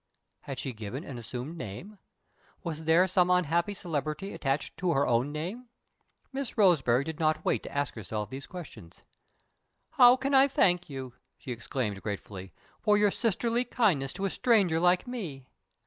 Had she given an assumed name? Was there some unhappy celebrity attached to her own name? Miss Roseberry did not wait to ask herself these questions. "How can I thank you," she exclaimed, gratefully, "for your sisterly kindness to a stranger like me?"